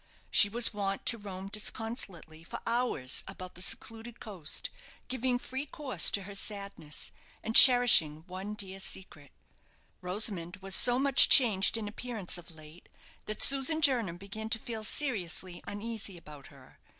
She was wont to roam disconsolately for hours about the secluded coast, giving free course to her sadness, and cherishing one dear secret. Rosamond was so much changed in appearance of late that Susan Jernam began to feel seriously uneasy about her.